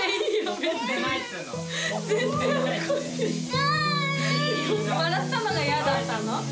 笑ったのが嫌だったの？